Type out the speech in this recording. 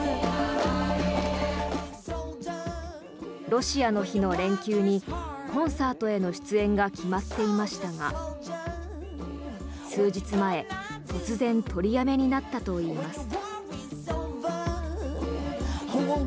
ロシアの日の連休にコンサートへの出演が決まっていましたが数日前、突然取りやめになったといいます。